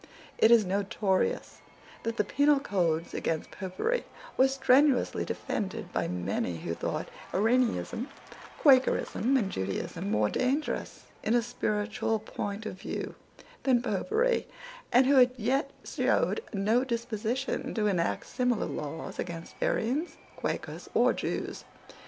It is notorious that the penal laws against Popery were strenuously defended by many who thought Arianism, Quakerism, and Judaism more dangerous, in a spiritual point of view, than Popery, and who yet showed no disposition to enact similar laws against Arians, Quakers, or Jews.